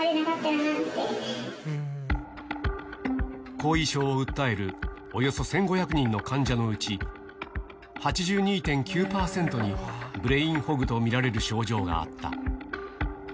後遺症を訴えるおよそ１５００人の患者のうち、８２．９％にブレインフォグと見られる症状があった。